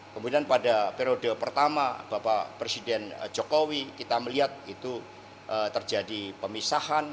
kemudian pada periode pertama bapak presiden jokowi kita melihat itu terjadi pemisahan